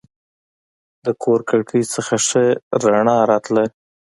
د کور کړکۍ څخه ښه رڼا راتله.